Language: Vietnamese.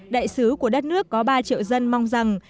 đại sứ của đất nước có ba triệu dân mong rằng